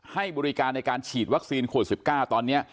ให้บริการในการฉีดวัคซีนขวด๑๙ตอนนี้